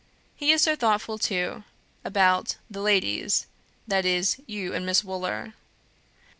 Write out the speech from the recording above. He is so thoughtful, too, about 'the ladies,' that is, you and Miss Wooler.